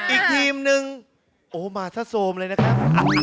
อีกทีมนึงโอ้มาถ้าโซมเลยนะครับ